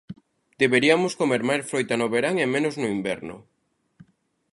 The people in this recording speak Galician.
Deberiamos comer máis froita no verán e menos no inverno.